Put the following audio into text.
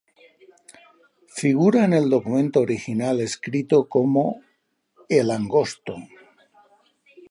Figura en el documento original escrito como El Angosto.